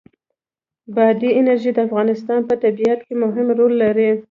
بادي انرژي د افغانستان په طبیعت کې مهم رول لري.